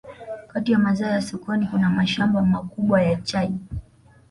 Kati ya mazao ya sokoni kuna mashamba makubwa ya chai